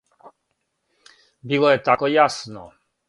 Било је тако јасно.